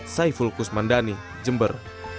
saya fulkus mandani jember